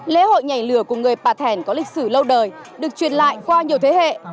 lễ hội nhảy lửa của người pà thèn có lịch sử lâu đời được truyền lại qua nhiều thế hệ